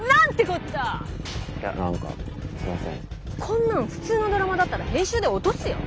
こんなん普通のドラマだったら編集で落とすよ！